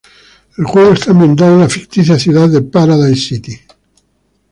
El juego está ambientado en la ficticia ciudad de Paradise City.